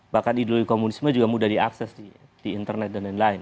bahkan ideologi komunisme juga mudah diakses di internet dan lain lain